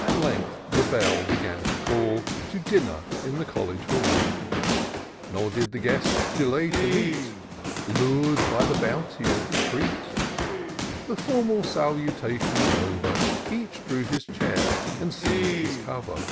At length the bell began to call To dinner, in the coUege hall ; Nor did the guests delay to meet, Lur*d by the bounty of the treat. The formal salutations over. Each drew his chair and seized his cover.